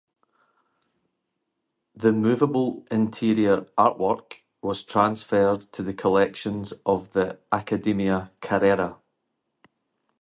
The movable interior artwork was transferred to the collections of the Accademia Carrara.